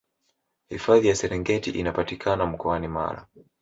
hifadhi ya serengeti inapatikana mkoani mara